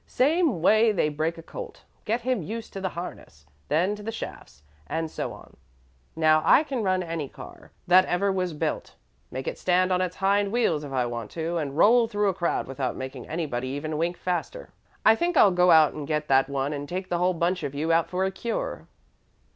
"Same way they break a colt. Get him used to the harness, then to shafts, and so on. Now, I can run any car that ever was built make it stand on its hind wheels if I want to and roll through a crowd without making anybody even wink faster. I think I'll go out and get that one and take the whole bunch of you out for a cure."